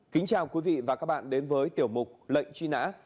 kính chào quý vị và các bạn đến với tiểu mục lệnh truy nã